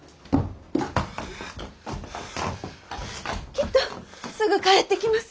きっとすぐ帰ってきます。